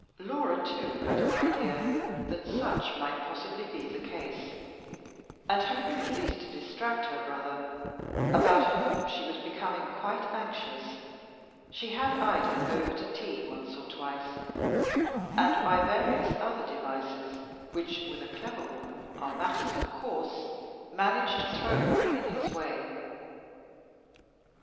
Laura, too, had an idea that such might possibly be the case, and hoping at least to distract her brother, about whom she was becoming quite anxious, she had Ida over to tea once or twice, and, by various other devices which with a clever woman are matters of course, managed to throw her in his way.